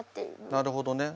なるほどね。